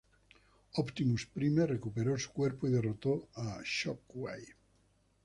Optimus Prime recuperó su cuerpo y derrotó a Shockwave.